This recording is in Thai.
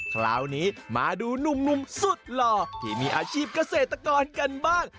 คราวนี้มาดูหนุ่มสุดหล่อที่มีอาชีพเกษตรกรกันบ้าง